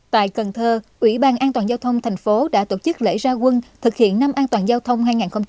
tại cần thơ ủy ban an toàn giao thông thành phố đã tổ chức lễ gia quân thực hiện năm an toàn giao thông hai nghìn một mươi sáu